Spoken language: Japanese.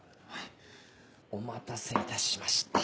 お待たせいたしました。